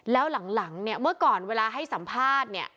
แล้วหลังเนี่ยเมื่อก่อนเวลาให้สัมภาษณ์เนี่ย